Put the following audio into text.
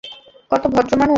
কত ভদ্র মানুষ।